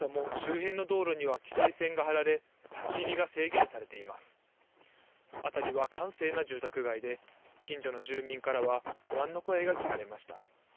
辺りは閑静な住宅街で、近所の住民からは不安の声が聞かれました。